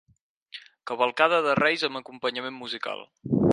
Cavalcada de Reis amb acompanyament musical.